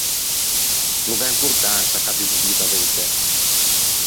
No gh’à importansa ch’aggimo dito a veitæ.